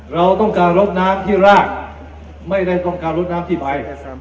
เราต้องการลดน้ำที่รากไม่ได้ต้องการลดน้ำที่ไป